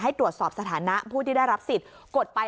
ให้ตรวจสอบสถานะผู้ที่ได้รับสิทธิ์